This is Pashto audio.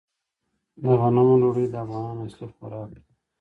د غنمو ډوډۍ د افغانانو اصلي خوراک دی.